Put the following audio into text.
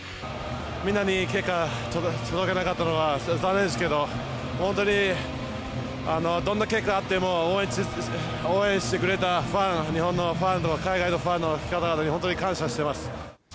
みんなにいい結果届けられなかったのは残念ですけど、本当にどんな結果であっても、応援してくれたファン、日本のファン、海外のファンの方々に本当に感謝しています。